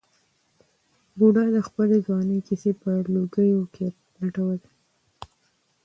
بوډا د خپلې ځوانۍ کیسې په لوګیو کې لټولې.